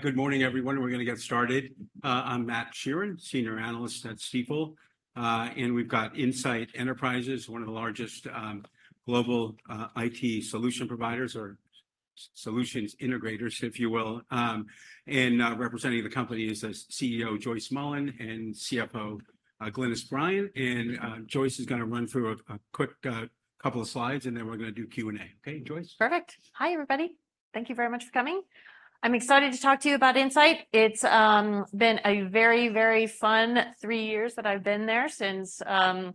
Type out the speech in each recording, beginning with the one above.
Good morning, everyone. We're gonna get started. I'm Matt Sheerin, senior analyst at Stifel. We've got Insight Enterprises, one of the largest global IT solution providers or solutions integrators, if you will. Representing the company is the CEO, Joyce Mullen, and CFO, Glynis Bryan. Joyce is gonna run through a quick couple of slides, and then we're gonna do Q&A. Okay, Joyce? Perfect. Hi, everybody. Thank you very much for coming. I'm excited to talk to you about Insight. It's been a very, very fun three years that I've been there since joining,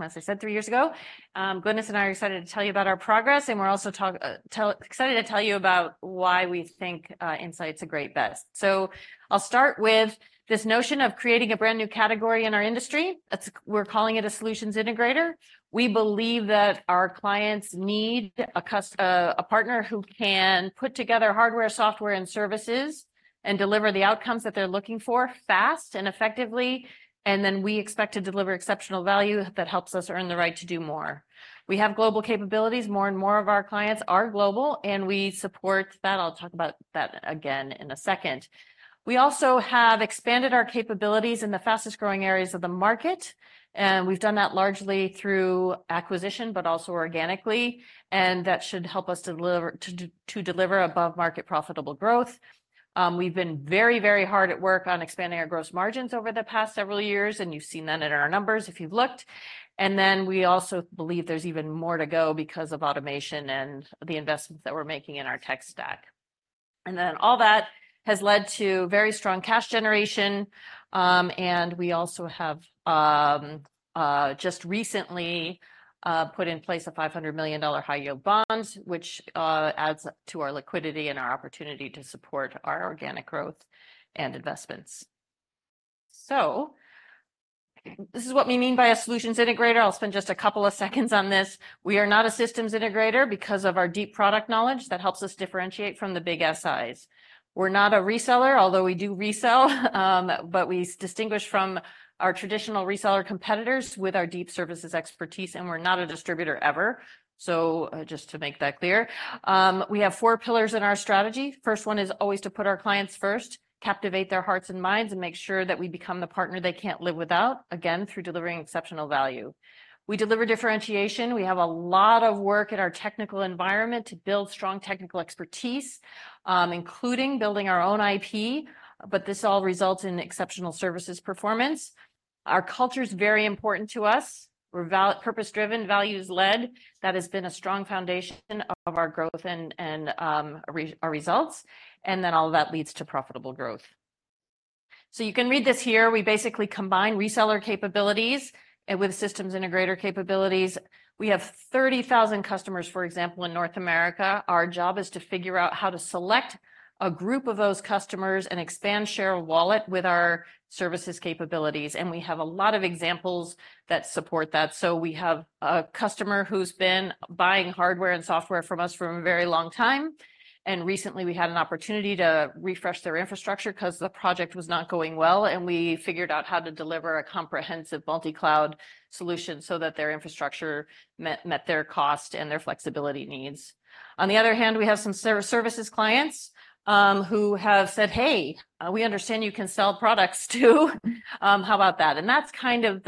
as I said, three years ago. Glynis and I are excited to tell you about our progress, and we're also excited to tell you about why we think Insight's a great bet. So I'll start with this notion of creating a brand-new category in our industry. It's. We're calling it a solutions integrator. We believe that our clients need a partner who can put together hardware, software, and services and deliver the outcomes that they're looking for fast and effectively, and then we expect to deliver exceptional value that helps us earn the right to do more. We have global capabilities. More and more of our clients are global, and we support that. I'll talk about that again in a second. We also have expanded our capabilities in the fastest-growing areas of the market, and we've done that largely through acquisition, but also organically, and that should help us deliver above-market profitable growth. We've been very, very hard at work on expanding our gross margins over the past several years, and you've seen that in our numbers if you've looked. And then we also believe there's even more to go because of automation and the investments that we're making in our tech stack. Then all that has led to very strong cash generation, and we also have just recently put in place a $500 million high-yield bond, which adds to our liquidity and our opportunity to support our organic growth and investments. So this is what we mean by a solutions integrator. I'll spend just a couple of seconds on this. We are not a systems integrator because of our deep product knowledge that helps us differentiate from the big SIs. We're not a reseller, although we do resell, but we distinguish from our traditional reseller competitors with our deep services expertise, and we're not a distributor ever, so just to make that clear. We have four pillars in our strategy. First one is always to put our clients first, captivate their hearts and minds, and make sure that we become the partner they can't live without, again, through delivering exceptional value. We deliver differentiation. We have a lot of work in our technical environment to build strong technical expertise, including building our own IP, but this all results in exceptional services performance. Our culture's very important to us. We're purpose-driven, values-led. That has been a strong foundation of our growth and our results, and then all of that leads to profitable growth. So you can read this here. We basically combine reseller capabilities with systems integrator capabilities. We have 30,000 customers, for example, in North America. Our job is to figure out how to select a group of those customers and expand share of wallet with our services capabilities, and we have a lot of examples that support that. So we have a customer who's been buying hardware and software from us for a very long time, and recently we had an opportunity to refresh their infrastructure 'cause the project was not going well, and we figured out how to deliver a comprehensive multicloud solution so that their infrastructure met their cost and their flexibility needs. On the other hand, we have some services clients who have said, "Hey, we understand you can sell products, too. How about that?" And that's kind of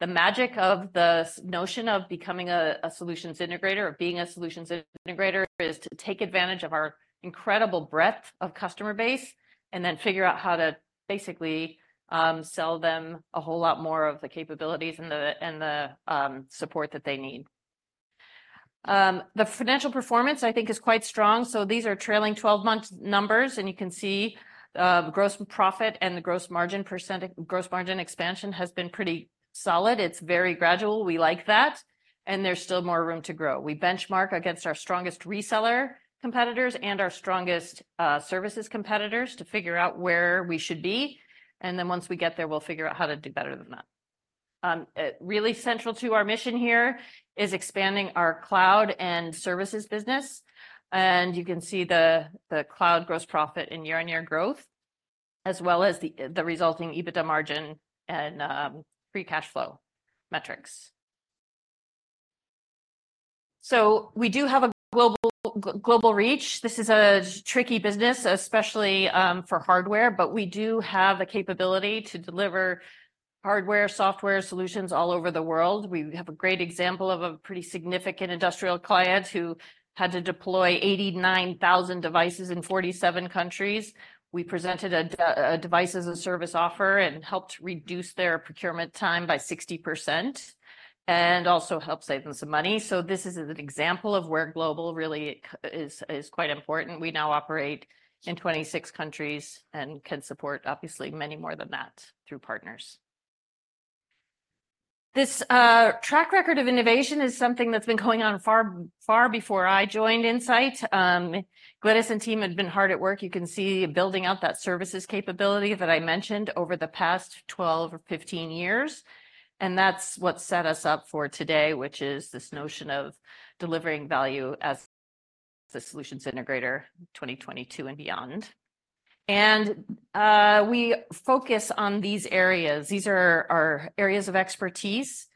the magic of the notion of becoming a Solutions Integrator or being a Solutions Integrator, is to take advantage of our incredible breadth of customer base and then figure out how to basically sell them a whole lot more of the capabilities and the support that they need. The financial performance, I think, is quite strong. So these are trailing 12-month numbers, and you can see gross profit and the gross margin percent, gross margin expansion has been pretty solid. It's very gradual. We like that, and there's still more room to grow. We benchmark against our strongest reseller competitors and our strongest services competitors to figure out where we should be, and then once we get there, we'll figure out how to do better than that. Really central to our mission here is expanding our cloud and services business, and you can see the cloud gross profit and year-on-year growth, as well as the resulting EBITDA margin and free cash flow metrics. So we do have a global reach. This is a tricky business, especially for hardware, but we do have the capability to deliver hardware, software solutions all over the world. We have a great example of a pretty significant industrial client who had to deploy 89,000 devices in 47 countries. We presented a Device as a Service offer and helped reduce their procurement time by 60%, and also helped save them some money. So this is an example of where global really is quite important. We now operate in 26 countries and can support, obviously, many more than that through partners. This track record of innovation is something that's been going on far, far before I joined Insight. Glynis and team had been hard at work, you can see, building out that services capability that I mentioned over the past 12 or 15 years, and that's what set us up for today, which is this notion of delivering value as a solutions integrator in 2022 and beyond... and we focus on these areas. These are our areas of expertise,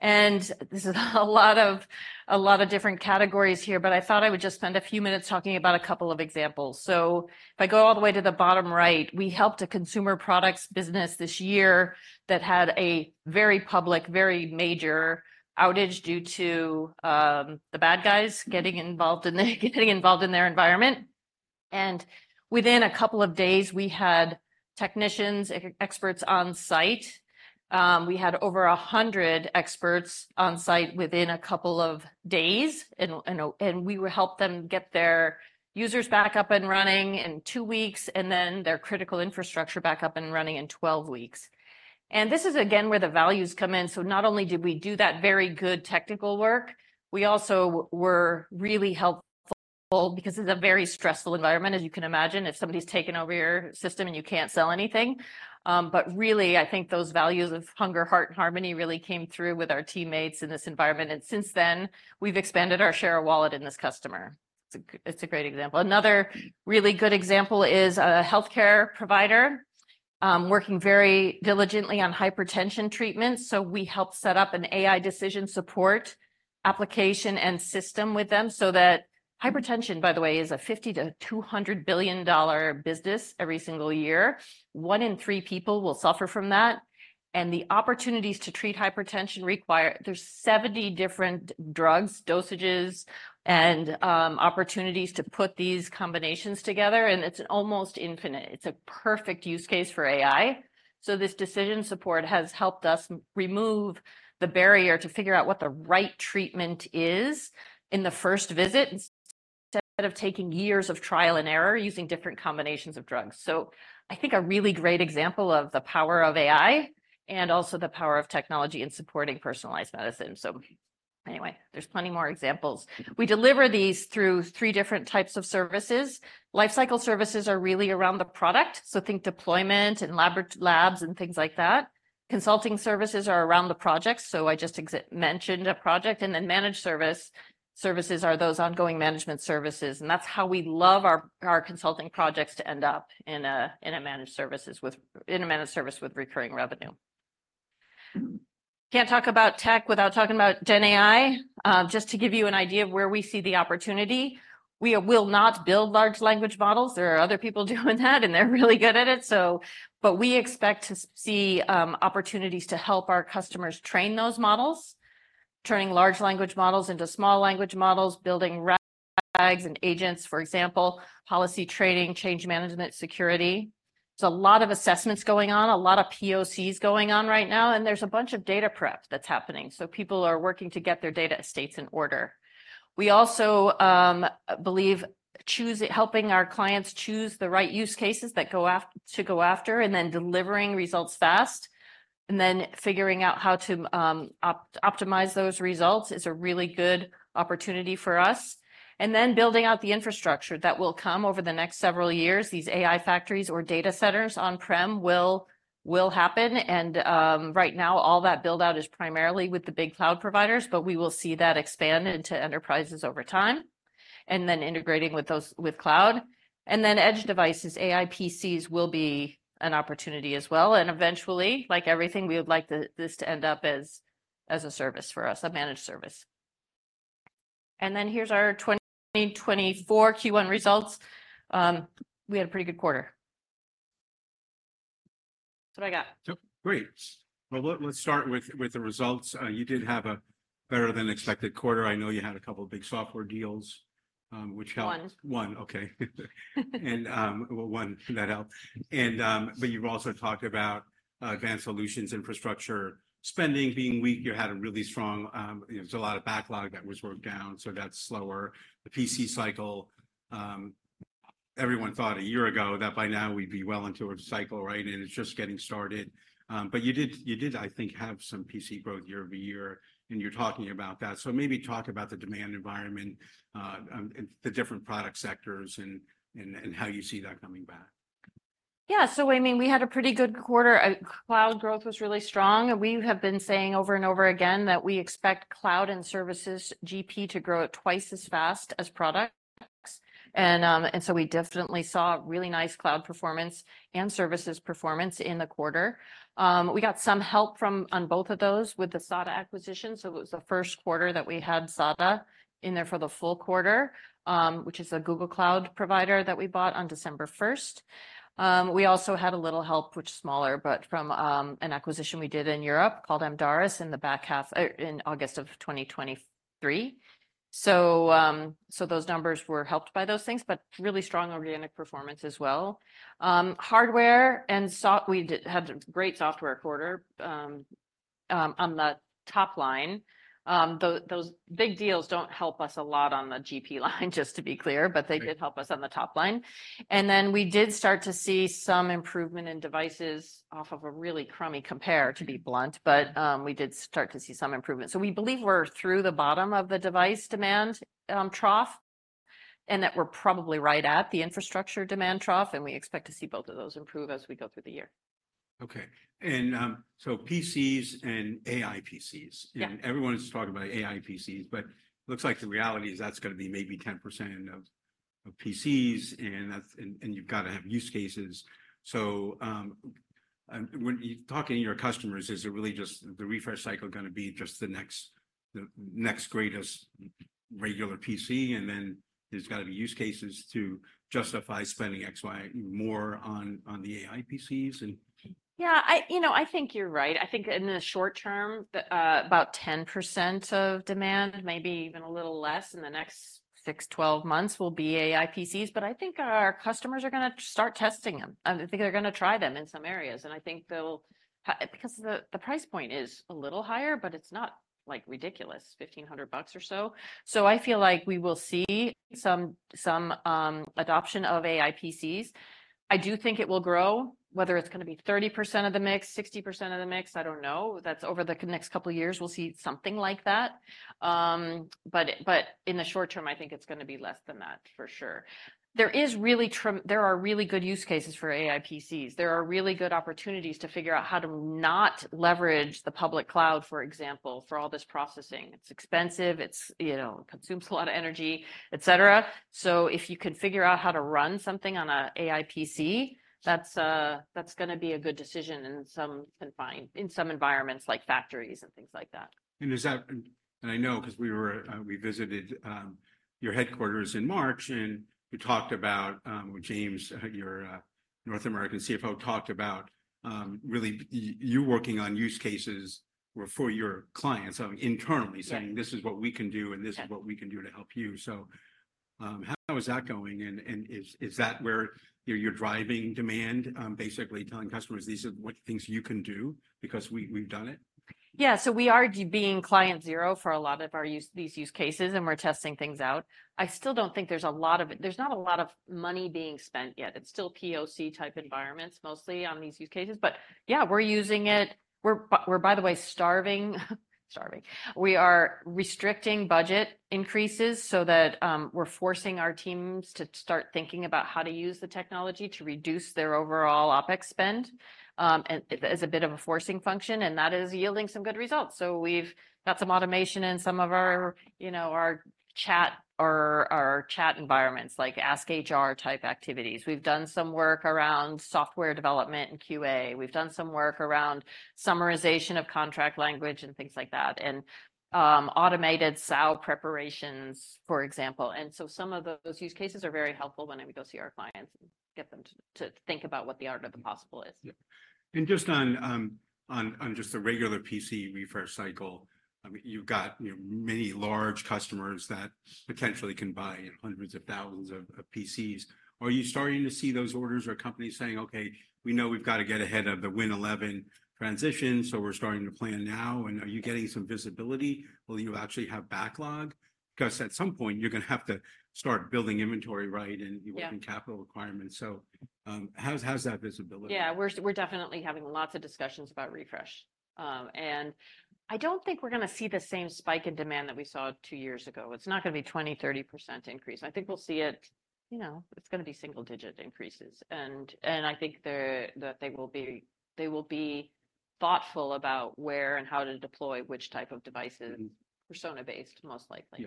and this is a lot of, a lot of different categories here, but I thought I would just spend a few minutes talking about a couple of examples. So if I go all the way to the bottom right, we helped a consumer products business this year that had a very public, very major outage due to the bad guys getting involved in their environment. And within a couple of days, we had technicians, experts on site. We had over 100 experts on site within a couple of days, and we would help them get their users back up and running in two weeks, and then their critical infrastructure back up and running in 12 weeks. And this is again where the values come in. So not only did we do that very good technical work, we also were really helpful because this is a very stressful environment, as you can imagine, if somebody's taken over your system and you can't sell anything. But really, I think those values of hunger, heart, and harmony really came through with our teammates in this environment, and since then, we've expanded our share of wallet in this customer. It's a great example. Another really good example is a healthcare provider working very diligently on hypertension treatments. So we helped set up an AI decision support application and system with them so that. Hypertension, by the way, is a $50 billion-$200 billion business every single year. One in three people will suffer from that, and the opportunities to treat hypertension require. There's 70 different drugs, dosages, and opportunities to put these combinations together, and it's almost infinite. It's a perfect use case for AI. So this decision support has helped us remove the barrier to figure out what the right treatment is in the first visit, instead of taking years of trial and error using different combinations of drugs. So I think a really great example of the power of AI and also the power of technology in supporting personalized medicine. So anyway, there's plenty more examples. We deliver these through three different types of services. Lifecycle services are really around the product, so think deployment and labs and things like that. Consulting services are around the projects, so I just mentioned a project. And then managed services are those ongoing management services, and that's how we love our consulting projects to end up in a managed services with recurring revenue. Can't talk about tech without talking about GenAI. Just to give you an idea of where we see the opportunity, we will not build large language models. There are other people doing that, and they're really good at it. So, but we expect to see opportunities to help our customers train those models, turning large language models into small language models, building RAGs and agents, for example, policy training, change management, security. There's a lot of assessments going on, a lot of POCs going on right now, and there's a bunch of data prep that's happening, so people are working to get their data estates in order. We also believe helping our clients choose the right use cases to go after, and then delivering results fast, and then figuring out how to optimize those results is a really good opportunity for us. And then building out the infrastructure that will come over the next several years. These AI factories or data centers on-prem will happen, and right now, all that build-out is primarily with the big cloud providers, but we will see that expand into enterprises over time. And then integrating with those with cloud, and then edge devices, AI PCs will be an opportunity as well, and eventually, like everything, we would like this to end up as a service for us, a managed service. And then here's our 2024 Q1 results. We had a pretty good quarter. That's what I got. Great! Well, let's start with the results. You did have a better-than-expected quarter. I know you had a couple of big software deals, which helped. One. One. Okay. And, well, one, that helped. And, but you've also talked about, advanced solutions, infrastructure spending being weak. You had a really strong, you know, so a lot of backlog that was worked down, so that's slower. The PC cycle, everyone thought a year ago that by now we'd be well into a cycle, right? And it's just getting started. But you did, you did, I think, have some PC growth year-over-year, and you're talking about that. So maybe talk about the demand environment, and the different product sectors and, and, and how you see that coming back. Yeah. So, I mean, we had a pretty good quarter. Cloud growth was really strong. We have been saying over and over again that we expect cloud and services GP to grow twice as fast as products. And, and so we definitely saw really nice cloud performance and services performance in the quarter. We got some help from, on both of those with the SADA acquisition, so it was the first quarter that we had SADA in there for the full quarter, which is a Google Cloud provider that we bought on December first. We also had a little help, which is smaller, but from, an acquisition we did in Europe called Amdaris, in the back half, in August of 2023. So, so those numbers were helped by those things, but really strong organic performance as well. We did have a great software quarter on the top line. Those big deals don't help us a lot on the GP line, just to be clear, but they did- Right... help us on the top line. And then we did start to see some improvement in devices off of a really crummy compare, to be blunt, but, we did start to see some improvement. So we believe we're through the bottom of the device demand, trough, and that we're probably right at the infrastructure demand trough, and we expect to see both of those improve as we go through the year. ... Okay, and, so PCs and AI PCs. Yeah. Everyone is talking about AI PCs, but looks like the reality is that's gonna be maybe 10% of PCs, and that's, and you've got to have use cases. So, and when you're talking to your customers, is it really just the refresh cycle gonna be just the next greatest regular PC? And then there's got to be use cases to justify spending X, Y more on the AI PCs, and- Yeah, I, you know, I think you're right. I think in the short term, the about 10% of demand, maybe even a little less in the next six to 12 months, will be AI PCs, but I think our customers are gonna start testing them, and I think they'll because the, the price point is a little higher, but it's not, like, ridiculous, $1,500 or so. So I feel like we will see some adoption of AI PCs. I do think it will grow. Whether it's gonna be 30% of the mix, 60% of the mix, I don't know. That's over the next couple of years, we'll see something like that. But, but in the short term, I think it's gonna be less than that, for sure. There are really good use cases for AI PCs. There are really good opportunities to figure out how to not leverage the public cloud, for example, for all this processing. It's expensive, it's, you know, consumes a lot of energy, et cetera. So if you can figure out how to run something on a AI PC, that's that's gonna be a good decision in some environments, like factories and things like that. I know 'cause we were, we visited your headquarters in March, and we talked about with James, your North American CFO talked about, really you working on use cases where, for your clients, internally- Yeah... saying, "This is what we can do- Yeah. - and this is what we can do to help you." So, how is that going, and is that where you're driving demand, basically telling customers, "These are what things you can do because we, we've done it? Yeah, so we are being client zero for a lot of our use, these use cases, and we're testing things out. I still don't think there's a lot of it. There's not a lot of money being spent yet. It's still POC-type environments, mostly on these use cases. But yeah, we're using it. We're, by the way, starving. Starving. We are restricting budget increases so that we're forcing our teams to start thinking about how to use the technology to reduce their overall OpEx spend, and as a bit of a forcing function, and that is yielding some good results. So we've got some automation in some of our, you know, our chat or our chat environments, like ask HR-type activities. We've done some work around software development and QA. We've done some work around summarization of contract language and things like that, and, automated SOW preparations, for example. So some of those use cases are very helpful when we go see our clients and get them to think about what the art of the possible is. Yeah. And just on the regular PC refresh cycle, I mean, you've got, you know, many large customers that potentially can buy hundreds of thousands of PCs. Are you starting to see those orders or companies saying: "Okay, we know we've got to get ahead of the Win 11 transition, so we're starting to plan now"? And are you getting some visibility? Will you actually have backlog? 'Cause at some point, you're gonna have to start building inventory, right? Yeah. And your working capital requirements. So, how's that visibility? Yeah, we're definitely having lots of discussions about refresh. And I don't think we're gonna see the same spike in demand that we saw two years ago. It's not gonna be 20-30% increase. I think we'll see it, you know, it's gonna be single-digit increases. And I think that they will be thoughtful about where and how to deploy which type of devices, persona-based, most likely. Yeah.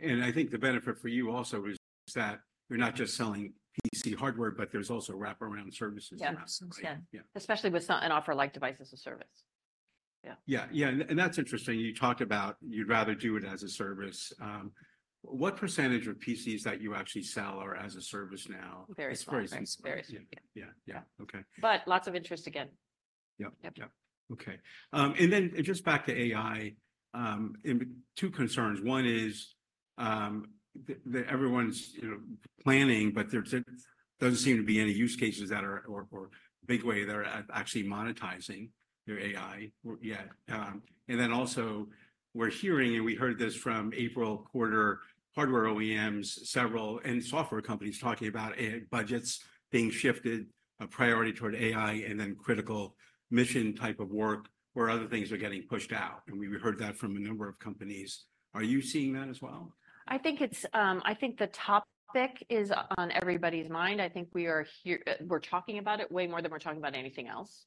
And I think the benefit for you also is that you're not just selling PC hardware, but there's also wraparound services. Yeah -to us. Yeah. Yeah. Especially with an offer like Device as a Service. Yeah. Yeah, that's interesting. You talked about you'd rather do it as a service. What percentage of PCs that you actually sell are as a service now? Very small. It's very small. Very small. Yeah. Yeah. Yeah, okay. Lots of interest again. Yep. Yep. Yeah. Okay, and then just back to AI, and two concerns. One is, everyone's, you know, planning, but doesn't seem to be any use cases that are a big way they're actually monetizing their AI yet. And then also, we're hearing, and we heard this from April quarter, hardware OEMs, several, and software companies talking about AI budgets being shifted, a priority toward AI, and then critical mission type of work, where other things are getting pushed out, and we heard that from a number of companies. Are you seeing that as well? I think it's, I think the topic is on everybody's mind. I think we are here, we're talking about it way more than we're talking about anything else.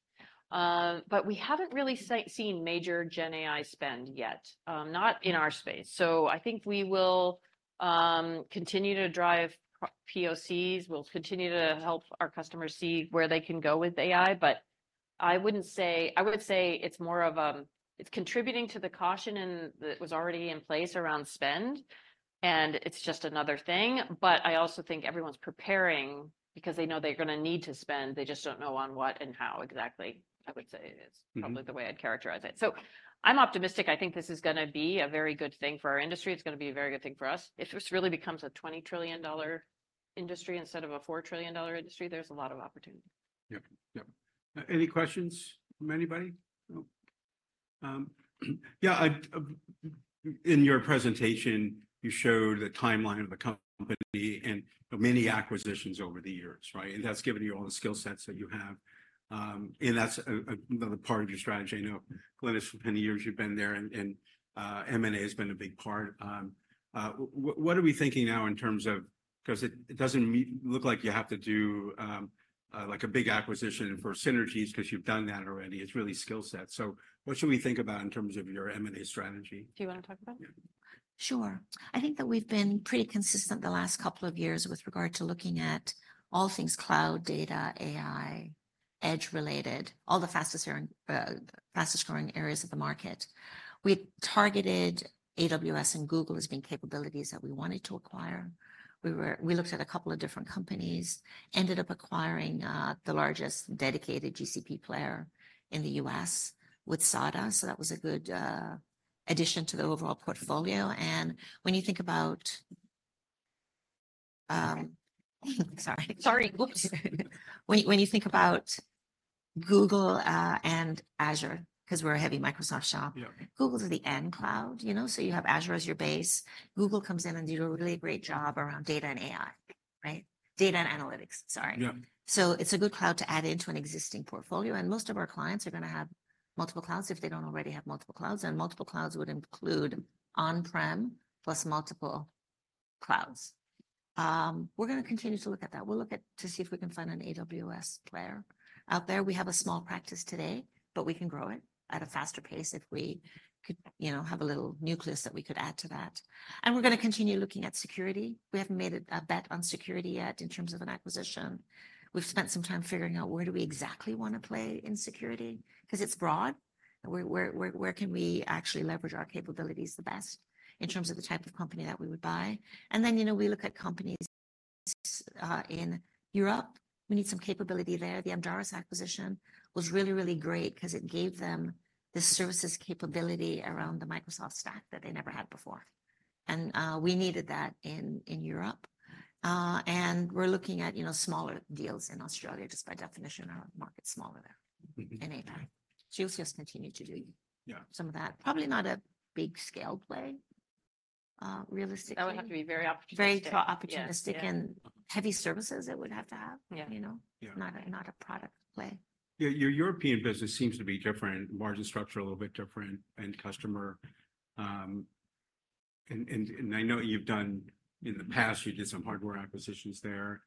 But we haven't really seen major GenAI spend yet, not in our space. So I think we will continue to drive POCs, we'll continue to help our customers see where they can go with AI. But I wouldn't say... I would say it's more of, it's contributing to the caution and that was already in place around spend, and it's just another thing. But I also think everyone's preparing because they know they're gonna need to spend. They just don't know on what and how exactly, I would say is- Mm-hmm... probably the way I'd characterize it. So I'm optimistic. I think this is gonna be a very good thing for our industry. It's gonna be a very good thing for us. If this really becomes a $20 trillion industry instead of a $4 trillion industry, there's a lot of opportunity. Yep, yep. Any questions from anybody? No. In your presentation, you showed the timeline of the company and the many acquisitions over the years, right? And that's given you all the skill sets that you have, and that's another part of your strategy. I know, Glynis, for many years you've been there, and M&A has been a big part. What are we thinking now in terms of... 'Cause it doesn't look like you have to do like a big acquisition for synergies 'cause you've done that already. It's really skill set. So what should we think about in terms of your M&A strategy? Do you want to talk about it?... Sure. I think that we've been pretty consistent the last couple of years with regard to looking at all things cloud, data, AI, edge related, all the fastest growing, fastest-growing areas of the market. We targeted AWS and Google as being capabilities that we wanted to acquire. We looked at a couple of different companies, ended up acquiring the largest dedicated GCP player in the U.S. with SADA, so that was a good addition to the overall portfolio. And when you think about, sorry. Sorry. Whoops! When you think about Google and Azure, 'cause we're a heavy Microsoft shop- Yeah. Google's a leading cloud, you know, so you have Azure as your base. Google comes in and does a really great job around data and AI, right? Data and analytics, sorry. Yeah. So it's a good cloud to add into an existing portfolio, and most of our clients are gonna have multiple clouds if they don't already have multiple clouds, and multiple clouds would include on-prem, plus multiple clouds. We're gonna continue to look at that. We'll look at, to see if we can find an AWS player out there. We have a small practice today, but we can grow it at a faster pace if we could, you know, have a little nucleus that we could add to that. And we're gonna continue looking at security. We haven't made a bet on security yet in terms of an acquisition. We've spent some time figuring out where do we exactly wanna play in security, 'cause it's broad. Where can we actually leverage our capabilities the best in terms of the type of company that we would buy? And then, you know, we look at companies in Europe. We need some capability there. The Amdaris acquisition was really, really great 'cause it gave them the services capability around the Microsoft stack that they never had before, and we needed that in Europe. And we're looking at, you know, smaller deals in Australia just by definition, our market's smaller there- Mm-hmm. In APAC. So we'll just continue to do- Yeah... some of that. Probably not a big scale play, realistically. That would have to be very opportunistic. Very opportunistic- Yeah, yeah... and heavy services it would have to have. Yeah. You know? Yeah. Not a product play. Yeah, your European business seems to be different, margin structure a little bit different, end customer. And I know you've done, in the past, you did some hardware acquisitions there.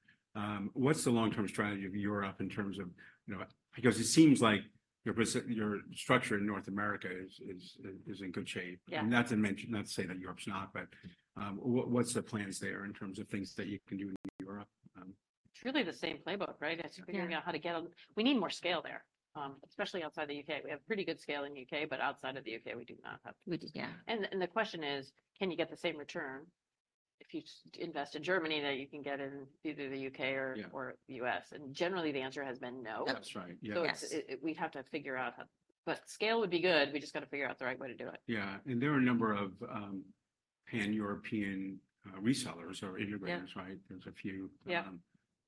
What's the long-term strategy of Europe in terms of, you know... Because it seems like your structure in North America is in good shape. Yeah. Not to mention, not to say that Europe's not, but, what, what's the plans there in terms of things that you can do in Europe? Truly the same playbook, right? Yeah. As figuring out how to get on... We need more scale there, especially outside the U.K.. We have pretty good scale in U.K., but outside of the U.K., we do not have- We do, yeah. And the question is, can you get the same return if you invest in Germany that you can get in either the U.K. or- Yeah... or the U.S.? And generally, the answer has been no. Yep. That's right. Yeah. So- We'd have to figure out how... But scale would be good. We've just got to figure out the right way to do it. Yeah, and there are a number of Pan-European resellers or integrators- Yeah... right? There's a few. Yeah.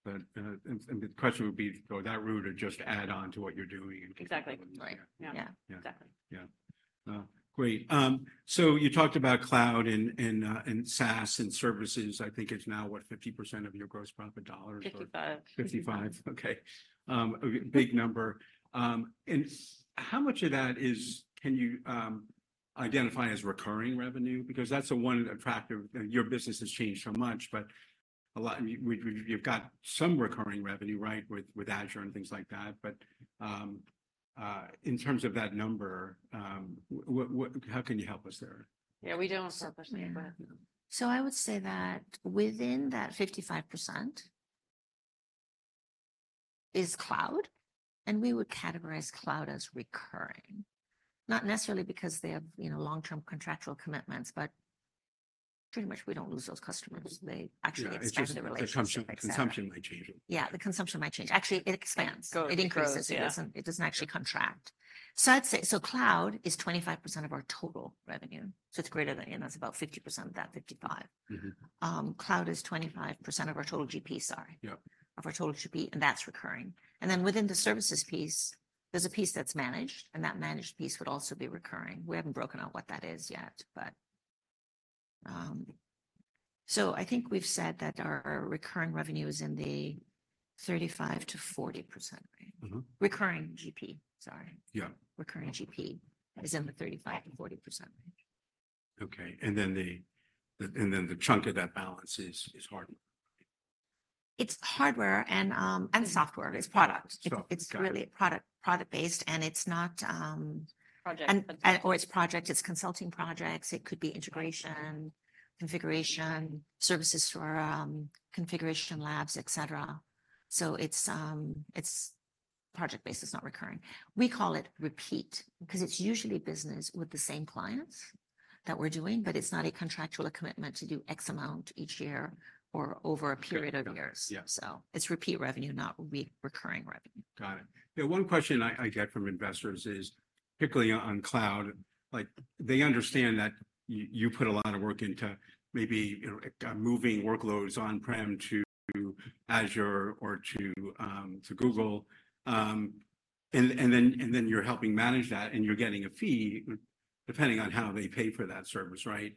But the question would be, go that route or just add on to what you're doing and- Exactly. Right. Yeah. Definitely. Yeah. Great. So you talked about cloud and SaaS and services. I think it's now, what, 50% of gross profit dollars? 55% 55%, okay, a big number. And how much of that is, can you, identify as recurring revenue? Because that's the one attractive... Your business has changed so much, but a lot, we, you've got some recurring revenue, right? With Azure and things like that, but, in terms of that number, what, how can you help us there? Yeah, we don't separate them, but- I would say that within that 55% is cloud, and we would categorize cloud as recurring. Not necessarily because they have, you know, long-term contractual commitments, but pretty much we don't lose those customers. They actually- Yeah... expand their relationship. Consumption might change. Yeah, the consumption might change. Actually, it expands. Grow. It increases. It grows, yeah. It doesn't actually contract. So I'd say, so cloud is 25% of our total revenue, so it's greater than, and that's about 50% of that, 55%. Mm-hmm. Cloud is 25% of our total GP. Yeah. Of our total GP, and that's recurring. And then within the services piece, there's a piece that's managed, and that managed piece would also be recurring. We haven't broken out what that is yet, but. So I think we've said that our recurring revenue is in the 35%-40% range. Mm-hmm. Recurring GP, sorry. Yeah. Recurring GP is in the 35%-40% range. Okay, and then the chunk of that balance is hard? It's hardware and, and software. It's product. Sure. Got it. It's really product, product-based, and it's not, Project... Or it's project, it's consulting projects, it could be integration, configuration, services for, configuration labs, et cetera. So it's, it's project-based, it's not recurring. We call it repeat, because it's usually business with the same clients that we're doing, but it's not a contractual commitment to do X amount each year or over a period- Okay... of years. Yeah. So it's repeat revenue, not recurring revenue. Got it. Yeah, one question I, I get from investors is, particularly on cloud, like, they understand that you, you put a lot of work into maybe, you know, moving workloads on-prem to Azure or to, to Google. And then you're helping manage that, and you're getting a fee, depending on how they pay for that service, right?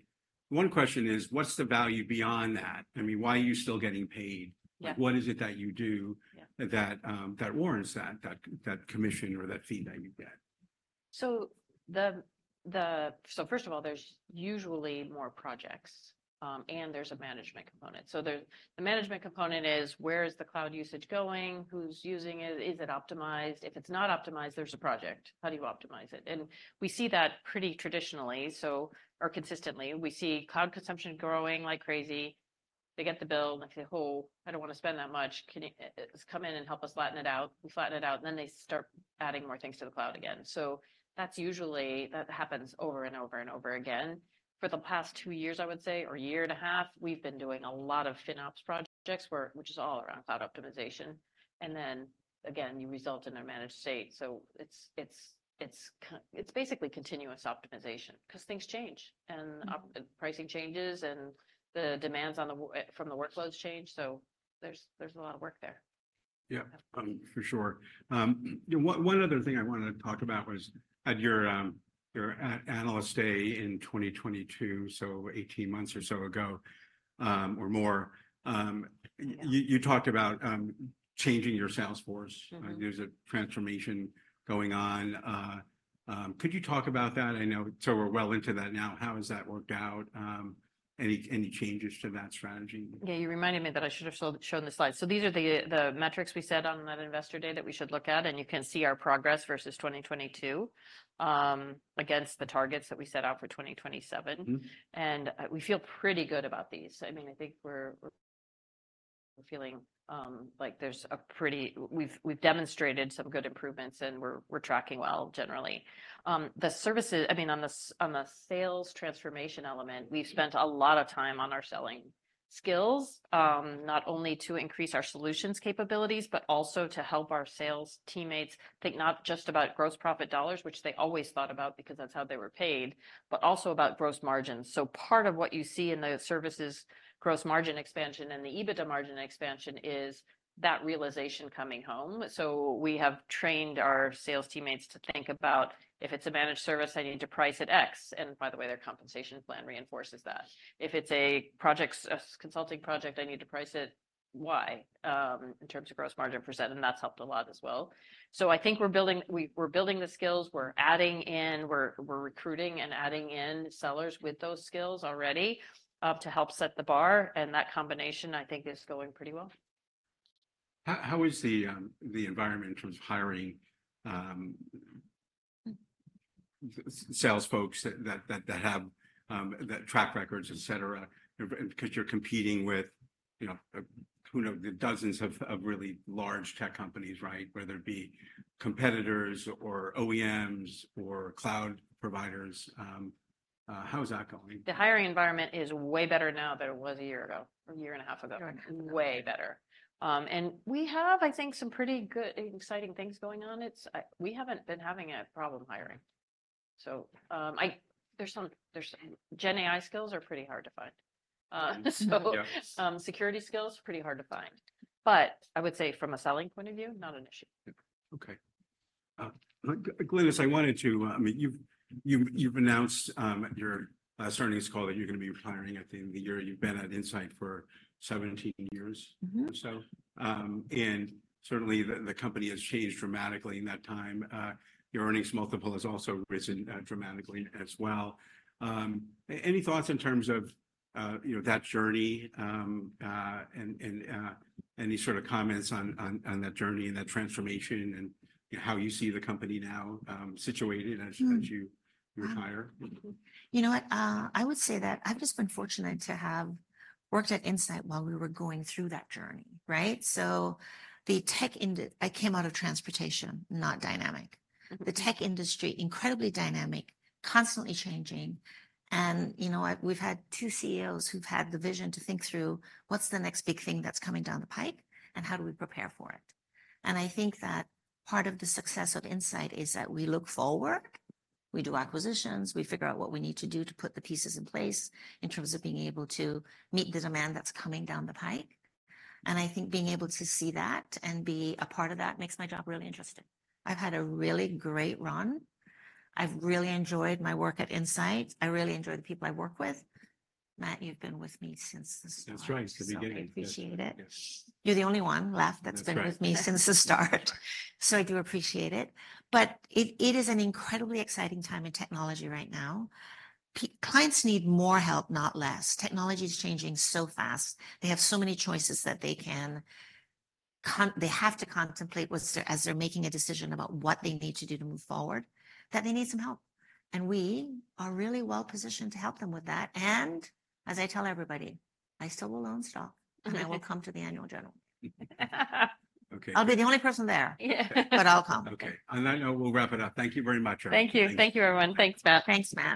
One question is, what's the value beyond that? I mean, why are you still getting paid? Yeah. What is it that you do- Yeah... that warrants that commission or that fee that you get? So first of all, there's usually more projects, and there's a management component. So the management component is: where is the cloud usage going? Who's using it? Is it optimized? If it's not optimized, there's a project. How do you optimize it? And we see that pretty traditionally, so or consistently. We see cloud consumption growing like crazy. They get the bill and they say, "Oh, I don't wanna spend that much. Can you come in and help us flatten it out?" We flatten it out, and then they start adding more things to the cloud again. So that's usually. That happens over and over and over again. For the past two years, I would say, or year and a half, we've been doing a lot of FinOps projects, which is all around cloud optimization, and then, again, you result in a managed state. So it's basically continuous optimization, 'cause things change, and, Mm... pricing changes, and the demands on the workloads change, so there's a lot of work there. Yeah, for sure. You know, one other thing I wanted to talk about was at your analyst day in 2022, so 18 months or so ago, or more, Yeah... you talked about changing your sales force. Mm-hmm. There's a transformation going on. Could you talk about that? I know... So we're well into that now. How has that worked out? Any changes to that strategy? Yeah, you reminded me that I should've shown the slide. So these are the metrics we set on that investor day that we should look at, and you can see our progress versus 2022 against the targets that we set out for 2027. Mm-hmm. We feel pretty good about these. I mean, I think we're, we're feeling, like there's a pretty... We've, we've demonstrated some good improvements, and we're, we're tracking well generally. The services, I mean, on the sales transformation element- Mm... we've spent a lot of time on our selling skills, not only to increase our solutions capabilities, but also to help our sales teammates think not just about gross profit dollars, which they always thought about, because that's how they were paid, but also about gross margins. So part of what you see in the services gross margin expansion and the EBITDA margin expansion is that realization coming home. So we have trained our sales teammates to think about, "If it's a managed service, I need to price it X." And by the way, their compensation plan reinforces that. "If it's a project, a consulting project, I need to price it Y," in terms of gross margin percent, and that's helped a lot as well. So I think we're building the skills. We're adding in, recruiting and adding in sellers with those skills already, to help set the bar, and that combination, I think, is going pretty well. How is the environment in terms of hiring sales folks that have track records, et cetera? And because you're competing with, you know, the dozens of really large tech companies, right? Whether it be competitors or OEMs or cloud providers, how is that going? The hiring environment is way better now than it was a year ago, or a year and a half ago. Right. Way better. And we have, I think, some pretty good, exciting things going on. It's, we haven't been having a problem hiring. So, GenAI skills are pretty hard to find. So- Yeah... security skills, pretty hard to find. But I would say from a selling point of view, not an issue. Okay. Glynis, I wanted to... I mean, you've announced at your earnings call that you're gonna be retiring at the end of the year. You've been at Insight for 17 years- Mm-hmm... or so. And certainly, the company has changed dramatically in that time. Your earnings multiple has also risen dramatically as well. Any thoughts in terms of, you know, that journey, and any sort of comments on that journey and that transformation, and, you know, how you see the company now, situated as- Mm... as you retire? Mm-hmm. You know what? I would say that I've just been fortunate to have worked at Insight while we were going through that journey, right? So I came out of transportation, not dynamic. Mm-hmm. The tech industry, incredibly dynamic, constantly changing, and, you know what? We've had two CEOs who've had the vision to think through: what's the next big thing that's coming down the pipe, and how do we prepare for it? I think that part of the success of Insight is that we look forward, we do acquisitions, we figure out what we need to do to put the pieces in place in terms of being able to meet the demand that's coming down the pipe, and I think being able to see that and be a part of that makes my job really interesting. I've had a really great run. I've really enjoyed my work at Insight. I really enjoy the people I work with. Matt, you've been with me since the start- That's right, from the beginning.... so I appreciate it. Yes. You're the only one left- That's right... that's been with me since the start. That's right. So I do appreciate it. But it is an incredibly exciting time in technology right now. Clients need more help, not less. Technology's changing so fast. They have so many choices that they have to contemplate what's as they're making a decision about what they need to do to move forward, that they need some help, and we are really well-positioned to help them with that. And as I tell everybody, I still will own stock and I will come to the annual general. Okay. I'll be the only person there. Yeah. But I'll come. Okay, and on that note, we'll wrap it up. Thank you very much, everyone. Thank you. Thank you. Thank you, everyone. Thanks, Matt. Thanks, Matt.